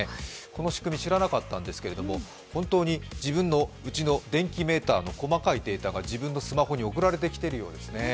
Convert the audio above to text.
この仕組み知らなかったんですけど本当に自分の家の電気メーターの細かいデータが自分のスマホに送られてきているようですね。